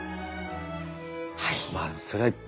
はい。